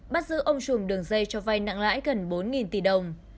bắt giữ ông sùm đường dây cho vay nặng lãi gần bốn tỷ đồng